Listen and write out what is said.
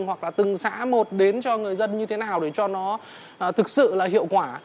hoặc là từng xã một đến cho người dân như thế nào để cho nó thực sự là hiệu quả